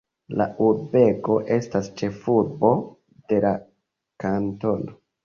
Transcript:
La urbego estas ĉefurbo de la kantono.